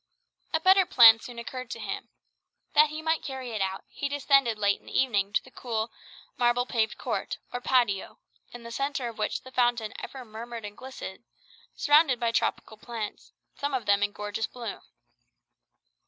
A better plan soon occurred to him. That he might carry it out, he descended late in the evening to the cool, marble paved court, or patio, in the centre of which the fountain ever murmured and glistened, surrounded by tropical plants, some of them in gorgeous bloom.